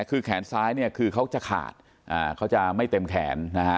คือแขนซ้ายเนี่ยคือเขาจะขาดเขาจะไม่เต็มแขนนะฮะ